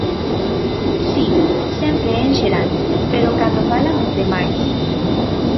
Si, sempre é en xeral, pero cando falan os demais.